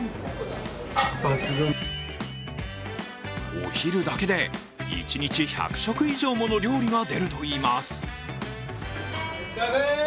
お昼だけで一日１００食以上もの料理が出るといいます。